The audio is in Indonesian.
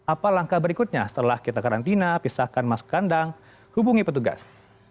apa langkah berikutnya setelah kita karantina pisahkan masuk kandang hubungi petugas